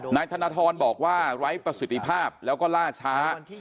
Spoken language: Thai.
นายธนทรบอกว่าไร้ประสิทธิภาพแล้วก็ล่าช้า